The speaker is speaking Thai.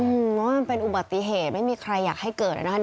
ว่ามันเป็นอุบัติเหตุไม่มีใครอยากให้เกิดเลยนะ